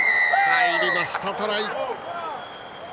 入りました、トライ。